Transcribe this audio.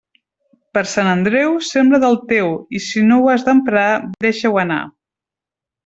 Per Sant Andreu, sembra del teu; i si ho has d'emprar, deixa-ho anar.